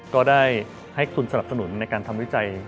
ก็ได้ให้คุณสนับสนุนในการทำวิจัย